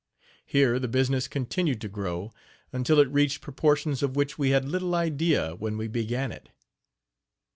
Here the business continued to grow until it reached proportions of which we had little idea when we began it.